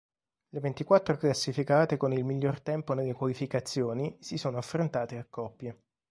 Le ventiquattro classificate con il miglior tempo nelle qualificazioni, si sono affrontate a coppie.